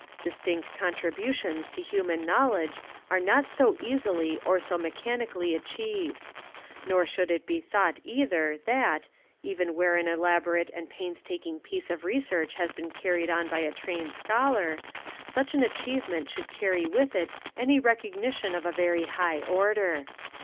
Dis tinct contributions to human knowledge are not so easily nor so mechanically achieved. Nor should it be thought either that, even where an elaborate and painstaking piece of research has been carried on by a trained scholar, such an achievement should carry with it any recogni tion of a very high order.